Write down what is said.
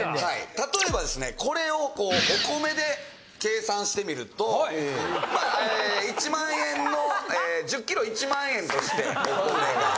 例えばですねこれをお米で計算してみるとえ１万円の１０ｋｇ１万円としてお米が。